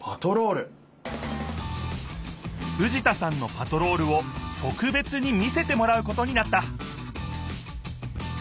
藤田さんのパトロールをとくべつに見せてもらうことになった